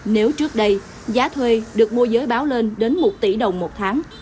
nếu trước đây giá thuê được mua giới báo lên đến một tỷ đồng một tháng